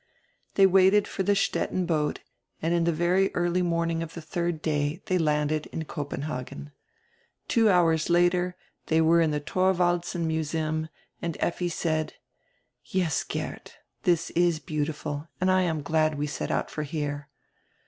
They waited for die Stettin hoat and in die very early morning of die diird day diey landed in Copenhagen. Two hours later diey were in die Thorwaldsen Museum, and Lffi said: "Yes, Geert, diis is heautiful and I am glad we set out for here."